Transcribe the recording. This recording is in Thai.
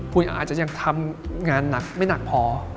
คุณอาจจะยังทำงานไม่หนักพอ